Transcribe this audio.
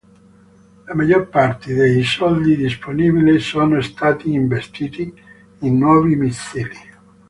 La maggior parte dei soldi disponibili sono stati investiti in nuovi missili.